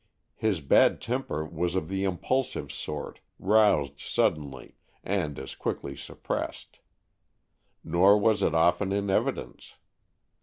His bad temper was of the impulsive sort, roused suddenly, and as quickly suppressed. Nor was it often in evidence.